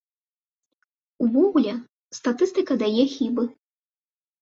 Увогуле, статыстыка дае хібы.